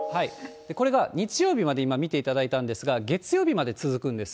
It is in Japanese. これが日曜日まで今、見ていただいたんですが、月曜日まで続くんです。